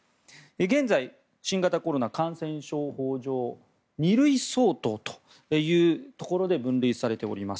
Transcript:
現在、新型コロナ感染症法上２類相当というところで分類されております。